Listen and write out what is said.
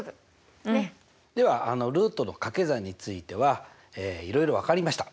ではルートの掛け算についてはいろいろ分かりました。